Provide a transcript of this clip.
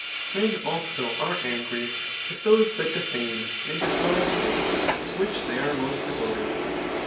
Men also are angry with those that defame and despise things to which they are most devoted.